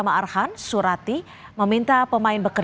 menurut mereka saya benar